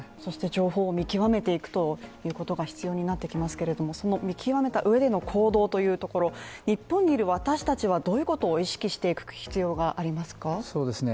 情報を見極めていくということが必要になってきますけれども、その見極めたうえでの行動というところ、日本にいる私たちはどういうことを意識していく必要がありますか？